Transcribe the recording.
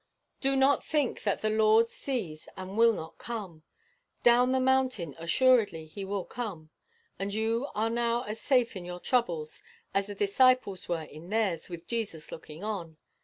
Do not think that the Lord sees and will not come. Down the mountain assuredly he will come, and you are now as safe in your troubles as the disciples were in theirs with Jesus looking on.